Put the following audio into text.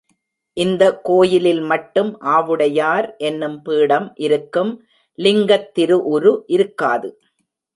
இந்த கோயிலில் மட்டும் ஆவுடையார் என்னும் பீடம் இருக்கும், லிங்கத் திரு உரு இருக்காது.